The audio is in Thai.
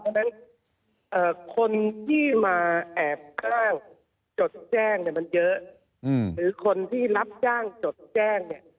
เพราะฉะนั้นคนที่มาแอบอ้างจดแจ้งเนี่ยมันเยอะหรือคนที่รับจ้างจดแจ้งเนี่ย